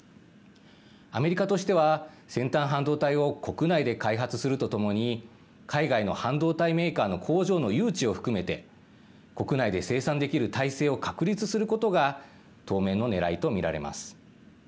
アメリカとしては先端半導体を国内で開発するとともに海外の半導体メーカーの工場の誘致を含めて国内で生産できる体制を確立することが当面のねらいと見られます。